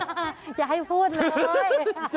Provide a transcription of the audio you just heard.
อย่าให้พูดเลย